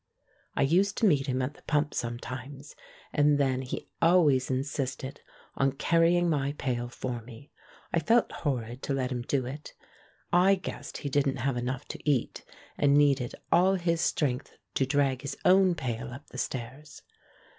I used to meet him at the pump sometimes, and then he always insisted on carrying my pail for me. I felt horrid to let him do it. I guessed he didn't have enough to eat and needed all his strength to drag his own pail up the stairs.